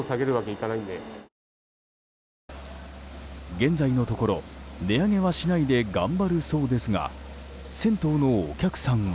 現在のところ値上げはしないで頑張るそうですが銭湯のお客さんは。